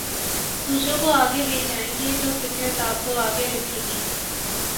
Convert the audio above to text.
دوسروں کو آگے لے جائیں گے تو فطرت آپ کو آگے رکھے گی